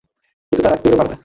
কিন্তু তারা টেরও পাবে না।